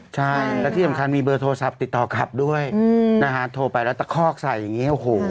อย่างผมคนเรามีมาติดต่อกับด้วยโทรศัพท์โทรไปแล้วก็คอกใส่อย่างนี้โอ้โห